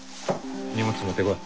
荷物持ってこい。